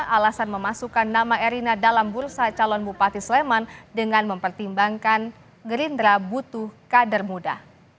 alasan memasukkan nama erina dalam bursa calon bupati sleman dengan mempertimbangkan gerindra butuh kader muda